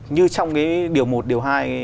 như trong cái điều một điều hai